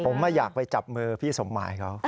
ผมอยากไปจับมือพี่สมหมายเขา